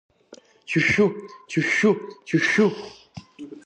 Чшәшәу, чшәшәу, чшәшәу!